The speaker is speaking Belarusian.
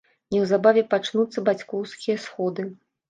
Неўзабаве пачнуцца бацькоўскія сходы.